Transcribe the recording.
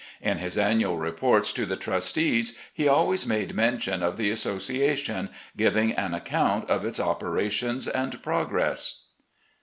In his annual reports to the trustees, he always made mention of the association, giving an account of its operations and progress.